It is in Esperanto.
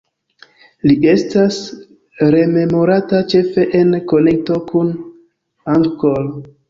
Li estas rememorata ĉefe en konekto kun Angkor.